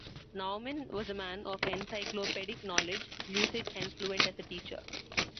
Naumann was a man of encyclopedic knowledge, lucid and fluent as a teacher.